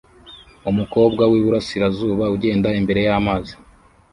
Umukobwa wiburasirazuba ugenda imbere yamazi